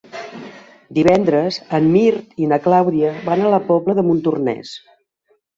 Divendres en Mirt i na Clàudia van a la Pobla de Montornès.